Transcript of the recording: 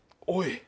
おい！